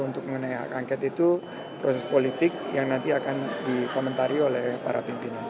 untuk mengenai hak angket itu proses politik yang nanti akan dikomentari oleh para pimpinan